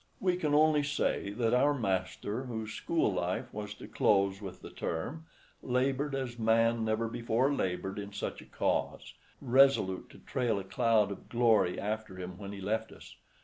We can only say that our master, whose school life was to close with the term, labored as man never before labored in such a cause, resolute to trail a cloud of glory after him when he left us.